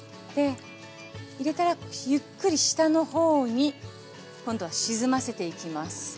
入れたらゆっくり下のほうに今度は沈ませていきます。